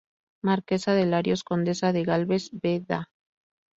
Marquesa de Larios, Condesa de Gálvez Vda.